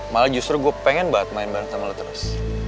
malah justru gue pengen banget main bareng sama lo terus